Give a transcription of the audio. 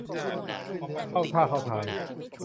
เข้าท่าเข้าทาง